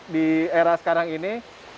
di era sekarang ini